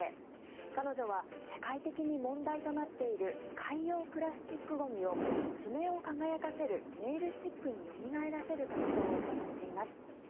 彼女は世界的に問題となっている海洋プラスチックゴミを爪を輝かせるネイルチップによみがえらせる活動を行っています。